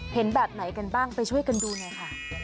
เห็นแบบไหนกันบ้างไปช่วยกันดูนะค่ะ